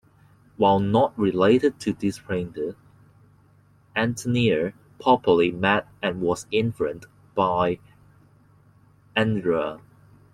While not related to this painter, Antonio probably met and was influenced by Andrea.